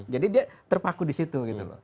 jadi dia terpaku di situ gitu loh